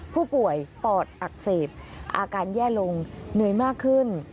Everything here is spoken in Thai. ผู้ป่วยปอดอักเสบอาการแย่ลงเหนื่อยมากขึ้น